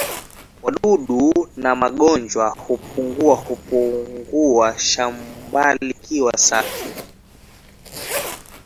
wadudu na magonjwa hupungua hupongua shambalikiwa safi